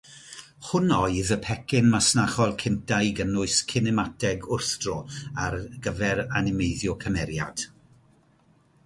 Hwn oedd y pecyn masnachol cyntaf i gynnwys cinemateg wrthdro ar gyfer animeiddio cymeriad.